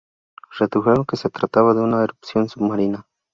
Dedujeron que se trataba de una erupción submarina.